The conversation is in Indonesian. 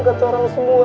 ketua orang semua